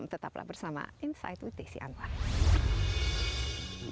tetaplah bersama insight with desi anwar